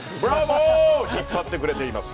引っ張ってくれています。